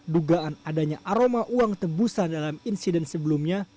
dugaan adanya aroma uang tebusan dalam insiden sebelumnya